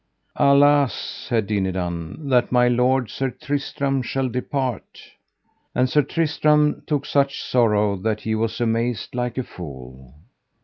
Alas, said Dinadan, that my lord, Sir Tristram, shall depart. And Sir Tristram took such sorrow that he was amazed like a fool.